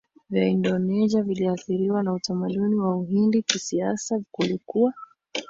vya Indonesia viliathiriwa na utamaduni wa Uhindi Kisiasa kulikuwa